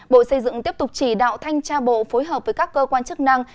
bộ xây dựng tiếp tục chỉ đạo thanh tra bộ phối hợp với các cơ quan chức năng